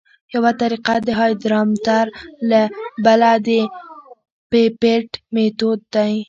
یوه طریقه د هایدرامتر او بله د پیپیټ میتود دی